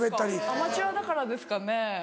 アマチュアだからですかね